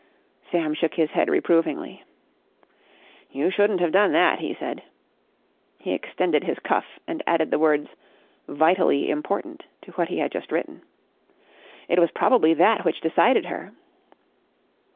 Sam shook his head reprovingly. "You shouldn't have done that," he said. He extended his cuff and added the words "Vitally Important" to what he had just written. "It was probably that which decided her."